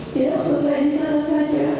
tidak selesai di sana saja